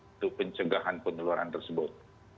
untuk pencegahan peneloran tersebut